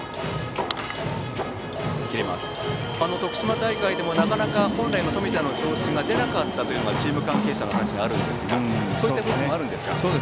徳島大会でもなかなか本来の冨田の調子が出なかったというのがチーム関係者の話としてありますがそういうこともあるんですか。